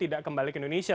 tidak kembali ke indonesia